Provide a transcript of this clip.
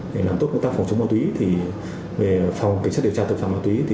để làm tốt công tác phòng chống ma túy phòng kinh sát điều tra tội phạm ma túy